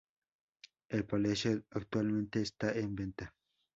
El palacio actualmente está en venta.